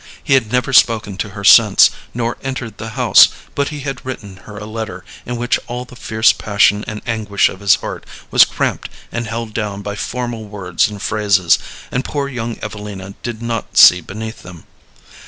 He had never spoken to her since, nor entered the house; but he had written her a letter, in which all the fierce passion and anguish of his heart was cramped and held down by formal words and phrases, and poor young Evelina did not see beneath them.